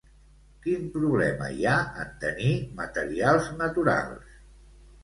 Quin problema hi ha en tenir materials naturals?